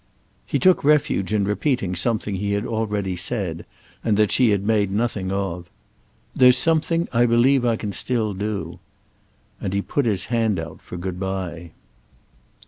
He took refuge in repeating something he had already said and that she had made nothing of. "There's something I believe I can still do." And he put his hand out for good bye.